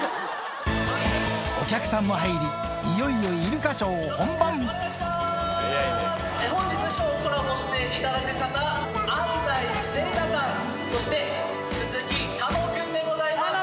お客さんも入り、いよいよイ本日、ショーコラボしていただく方、安斉星来さん、そして鈴木楽君でございます。